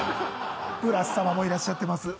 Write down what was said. ブラスさまもいらっしゃってます。